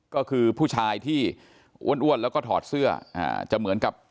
ก็คือผู้ชายที่อ้วนแล้วก็ถอดเสื้อจะเหมือนกับ